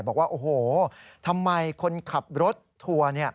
บอกว่าโอ้โหทำไมคนขับรถทัวร์